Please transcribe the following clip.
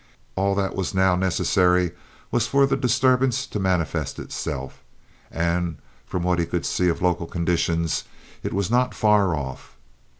All that was now necessary was for that disturbance to manifest itself; and, from what he could see of local conditions, it was not far off.